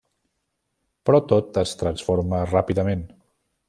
Però tot es transforma ràpidament.